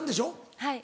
はい。